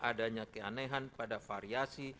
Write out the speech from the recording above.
adanya keanehan pada variasi